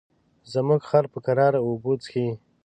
زموږ خر په کراره اوبه څښي.